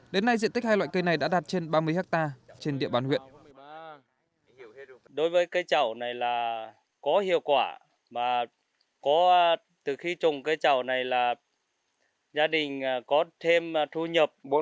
đến nay diện tích hai loại cây này đã đạt trên ba mươi hectare trên địa bàn huyện